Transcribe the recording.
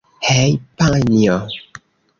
Hej, panjo!